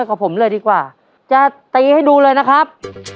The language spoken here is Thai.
กับผมเลยดีกว่าจะตีให้ดูเลยนะครับ